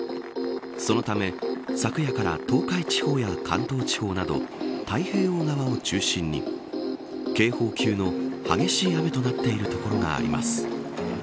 そのため、昨夜から東海地方や関東地方など太平洋側を中心に警報級の激しい雨となっている所があります。